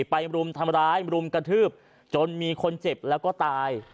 รุมทำร้ายรุมกระทืบจนมีคนเจ็บแล้วก็ตาย